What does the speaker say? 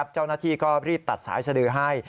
เจ้าหน้าที่ก็รีบตัดสายสดือให้